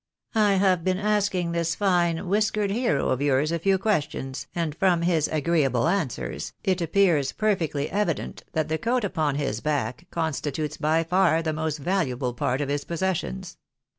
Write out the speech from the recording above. " I have been asking this fine whiskered hero of yours a few questions, and from his agreeable answers, it appears perfectly evident that the coat upon his back constitutes by far the most valuable part of his possessions.